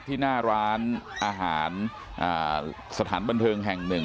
ที่หน้าร้านอาหารสถานบันเทิงแห่งหนึ่ง